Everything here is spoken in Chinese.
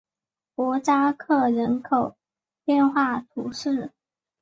博扎克人口变化图示